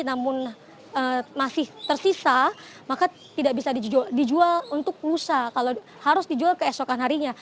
namun masih tersisa maka tidak bisa dijual untuk lusa kalau harus dijual keesokan harinya